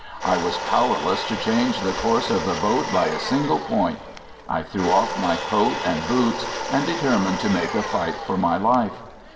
I was powerless to change the course of the boat by a single point. I threw off my coat and boots and determined to make a fight for my life.